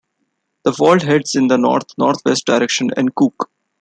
The fault heads in the north north west direction in Cook.